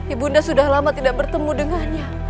ibu nda sudah lama tidak bertemu dengannya